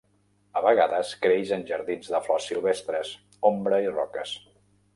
A vegades creix en jardins de flors silvestres, ombra i roques.